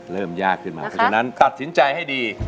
ยากขึ้นมาเพราะฉะนั้นตัดสินใจให้ดี